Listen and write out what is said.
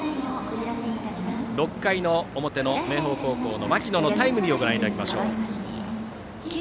６回の表の明豊高校の牧野のタイムリーをご覧いただきましょう。